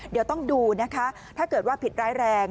เดี๋ยวต้องดูนะคะถ้าเกิดว่าผิดร้ายแรง